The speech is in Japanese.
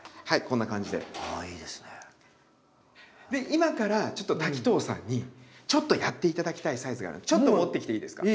今からちょっと滝藤さんにちょっとやって頂きたいサイズがあるんでちょっと持ってきていいですか？